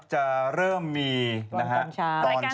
จะเริ่มมีนะครับตอนเช้านะครับจากตอนเจ้า